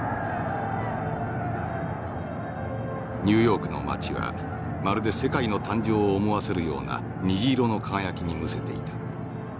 「ニューヨークの街はまるで世界の誕生を思わせるような虹色の輝きにむせていた。